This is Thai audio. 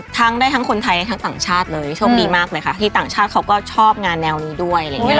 ทั้งได้ทั้งคนไทยทั้งต่างชาติเลยโชคดีมากเลยค่ะที่ต่างชาติเขาก็ชอบงานแนวนี้ด้วยอะไรอย่างเงี้